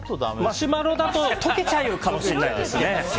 マシュマロだと溶けちゃうかもしれないですね。